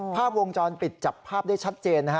ภาพวงจรปิดจับภาพได้ชัดเจนนะฮะ